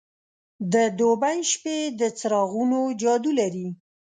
د دوبی شپې د څراغونو جادو لري.